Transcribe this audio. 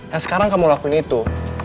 yang sekarang kamu lakuin itu